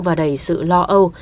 và đầy sự lo âu